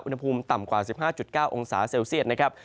อุณหภูมิต่ำกว่า๑๕๙องศาเซลเซียตนะครับ